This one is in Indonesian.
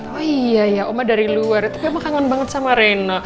oh iya ya oma dari luar tapi aku kangen banget sama rena